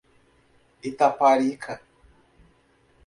Itaparica